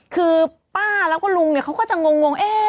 คือป้าแล้วก็ลุงเขาก็จะงง